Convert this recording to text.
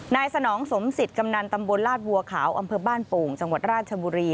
สนองสมศิษย์กำนันตำบลลาดบัวขาวอำเภอบ้านโป่งจังหวัดราชบุรี